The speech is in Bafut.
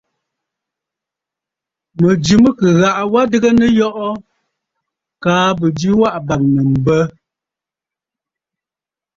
Mɨ̀jɨ mɨ kɨ ghaʼa wa adɨgə nɨyɔʼɔ kaa bɨjɨ waʼà bàŋnə̀ mbə.